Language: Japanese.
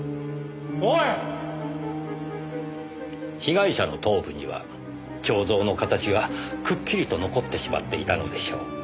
被害者の頭部には彫像の形がくっきりと残ってしまっていたのでしょう。